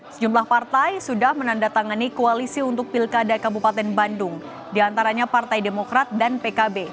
sejumlah partai sudah menandatangani koalisi untuk pilkada kabupaten bandung diantaranya partai demokrat dan pkb